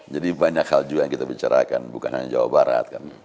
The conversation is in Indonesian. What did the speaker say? jadi banyak hal juga yang kita bicarakan bukan hanya jawa barat